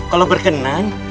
nyai kalau berkenan